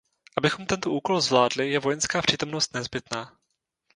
Abychom tento úkol zvládli, je vojenská přítomnost nezbytná.